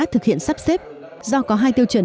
thực hiện sắp xếp do có hai tiêu chuẩn